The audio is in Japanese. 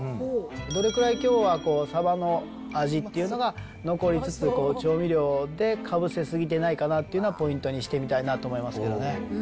どれくらいきょうはサバの味っていうのが残りつつ、調味料でかぶせ過ぎてないかなというのは、ポイントにしてみたいなと思いますけれどもね。